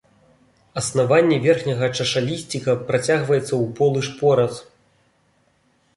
Аснаванне верхняга чашалісціка працягваецца ў полы шпорац.